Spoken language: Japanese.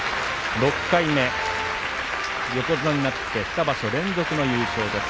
６回目、横綱になって２場所連続の優勝です。